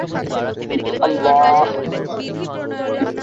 মন্দির শিল্পের প্রতিটি বিবরণ বেদ থেকে তাৎপর্য আছে।